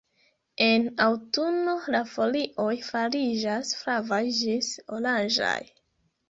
En aŭtuno la folioj fariĝas flavaj ĝis oranĝaj.